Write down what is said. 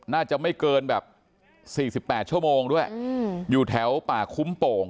น่าจะไม่เกินแบบสี่สิบแปดชั่วโมงด้วยอืมอยู่แถวป่าคุ้มโป่ง